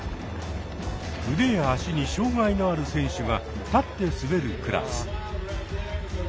腕や足に障がいのある選手が立って滑るクラス。